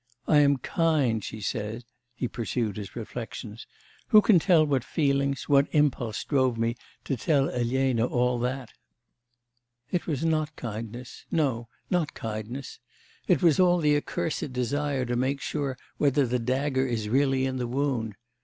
I am kind, she says:' he pursued his reflections:... 'Who can tell what feelings, what impulse drove me to tell Elena all that? It was not kindness; no, not kindness. It was all the accursed desire to make sure whether the dagger is really in the wound.